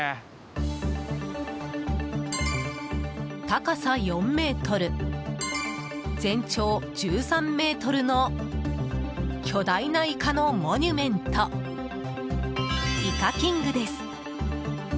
高さ４ｍ、全長１３ｍの巨大なイカのモニュメントイカキングです。